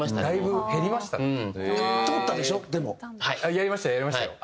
やりましたやりましたよ。